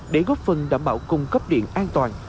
để góp phần đảm bảo cung cấp điện an toàn